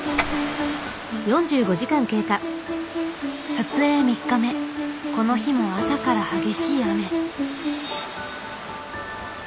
撮影３日目この日も朝から激しい雨。